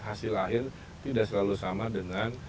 hasil akhir tidak selalu sama dengan